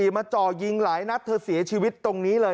มาจ่อยิงหลายนัดเธอเสียชีวิตตรงนี้เลย